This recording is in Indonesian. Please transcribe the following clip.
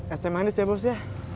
es teh manis ya bos ya